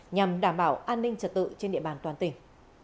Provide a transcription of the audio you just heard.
nhằm đảm bảo an ninh trật tự trên địa bàn toàn tỉnh